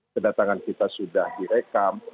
kedatangan kita sudah direkam